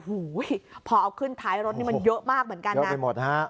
อู๋พอเอาขึ้นท้ายรถนี่มันเยอะมากเหมือนกันนะ